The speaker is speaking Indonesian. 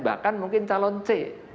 bahkan mungkin calon c